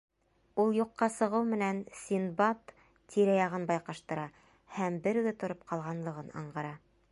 Ул юҡҡа сығыу менән, Синдбад тирә-яғын байҡаштыра һәм бер үҙе тороп ҡалғанын аңғара.